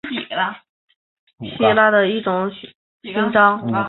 凤凰勋章是希腊所颁授的一种勋章。